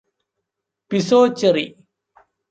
pizzoccheri